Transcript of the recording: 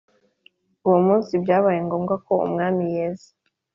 Uwo munsi byabaye ngombwa ko umwami yeza